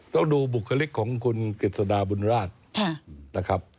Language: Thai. ต้องดูบุคลิกของคุณกฤษฎาบุญราชนะครับ